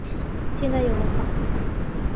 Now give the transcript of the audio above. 现在有了房子